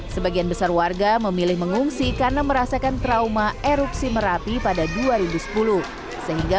sebagian besar warga memilih mengungsi karena merasakan trauma erupsi merapi pada dua ribu sepuluh sehingga